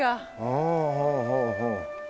ほうほうほうほう。